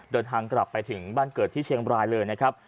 เดินทางกลับไปถึงบ้านเกิดที่เชียงบรายเลยนะครับ